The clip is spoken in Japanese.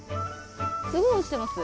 すごい落ちてます。